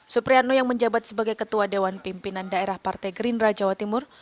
supriano yang menjabat sebagai ketua dewan pimpinan daerah partai gerindra jawa timur